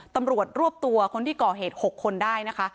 ตำรวจรวบตัวคนที่ก่อเหตุ๖คนได้นะคะ